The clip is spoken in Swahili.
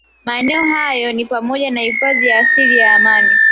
Maeneo hayo ni pamoja na hifadhi ya asili ya Amani